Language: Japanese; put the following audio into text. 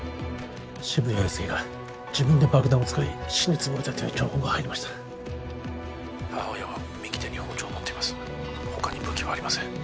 渋谷英輔が自分で爆弾を使い死ぬつもりだという情報が入りました母親は右手に包丁を持っていますほかに武器はありません